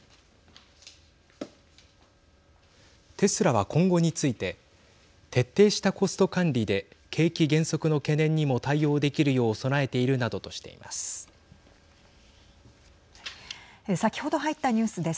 テスラは今後について徹底したコスト管理で景気減速の懸念にも対応できるよう備えているなどとしています。